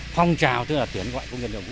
phong trào tuyển gọi công nhân